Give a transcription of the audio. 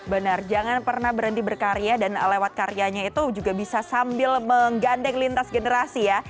benar jangan pernah berhenti berkarya dan lewat karyanya itu juga bisa sambil menggandeng lintas generasi ya